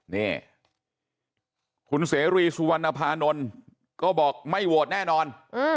นี่คุณเสรีสุวรรณภานนท์ก็บอกไม่โหวตแน่นอน